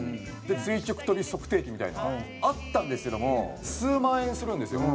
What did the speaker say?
垂直跳び測定器みたいなのがあったんですけども数万円するんですよ。